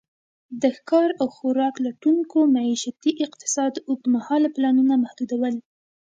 د ښکار او خوراک لټونکو معیشتي اقتصاد اوږد مهاله پلانونه محدود ول.